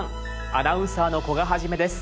アナウンサーの古賀一です。